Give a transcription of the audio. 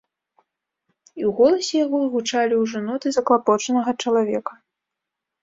І ў голасе яго гучалі ўжо ноты заклапочанага чалавека.